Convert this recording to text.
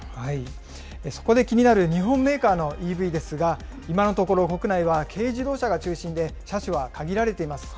そこで気になる日本メーカーのＥＶですが、今のところ、国内は軽自動車が中心で、車種は限られています。